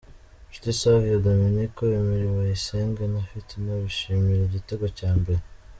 Nshuti Savio Dominique, Emery Bayisenge, na Fitina bishimira igitego cya mbere.